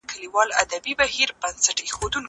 زه بايد انځور وګورم!؟